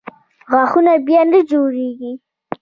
غاښونه بیا نه جوړېږي.